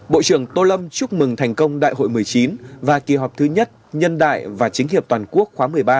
bộ trưởng tô lâm chúc mừng thành công đại hội một mươi chín và kỳ họp thứ nhất nhân đại và chính hiệp toàn quốc khóa một mươi ba